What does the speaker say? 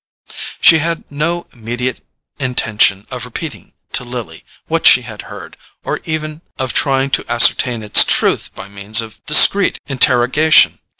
She had no immediate intention of repeating to Lily what she had heard, or even of trying to ascertain its truth by means of discreet interrogation.